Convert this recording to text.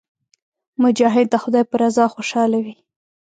مجاهد د خدای په رضا خوشاله وي.